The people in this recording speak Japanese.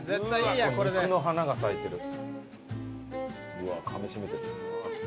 うわっかみ締めてる。